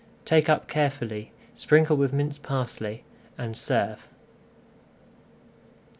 Take up carefully, sprinkle with minced parsley, and serve.